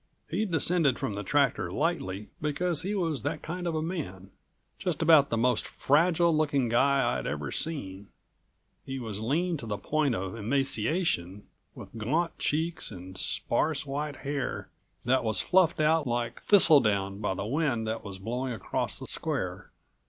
He'd descended from the tractor lightly because he was that kind of a man just about the most fragile looking guy I'd ever seen. He was lean to the point of emaciation, with gaunt cheeks and sparse white hair that was fluffed out like thistledown by the wind that was blowing across the square.